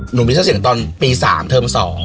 หนูมิชโศกศิลป์ตอนปี๓เทิม๒